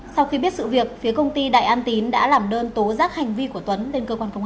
sau khi biết sự việc phía công ty đại an tín đã làm đơn tố giác hành vi của tuấn lên cơ quan công an